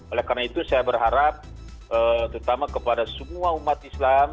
oleh karena itu saya berharap terutama kepada semua umat islam